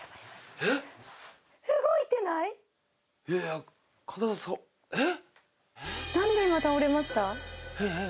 えっ？